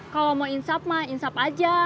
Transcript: kalau mau insap mah insap aja